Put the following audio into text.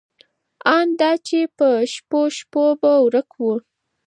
ان دا چې په شپو شپو به ورک و.